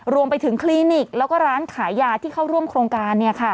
รวมไปถึงคลินิกแล้วก็ร้านขายยาที่เข้าร่วมโครงการ